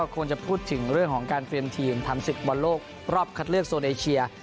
ควรจะพูดถึงเรื่องของการเตรียมทีมทำศึกบอลโลกรอบคัดเลือกโซนเอเชีย